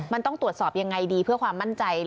มันต้องตรวจสอบยังไงดีเพื่อความมั่นใจ